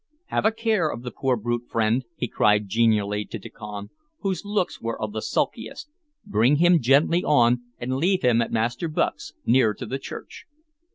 "Have a care of the poor brute, friend!" he cried genially to Diccon, whose looks were of the sulkiest. "Bring him gently on, and leave him at Master Bucke's, near to the church."